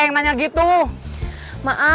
tete aku mau